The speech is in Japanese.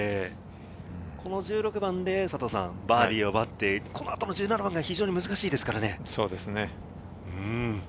この１６番でバーディーを奪って、この後の１７番が非常に難しいですからね。